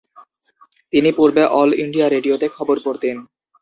তিনি পূর্বে All India রেডিওতে খবর পড়তেন।